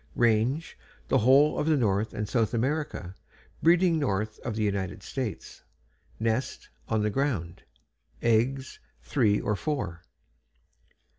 RANGE The whole of North and South America, breeding north of the United States. NEST On the ground. EGGS Three or four.